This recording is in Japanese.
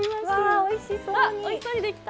わっおいしそうにできた！